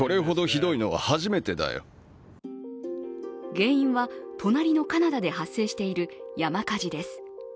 原因は、隣のカナダで発生している山火事です。